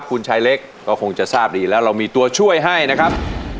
คุณชายเล็กก็คงจะทราบดีแล้วเรามีตัวช่วยให้นะครับ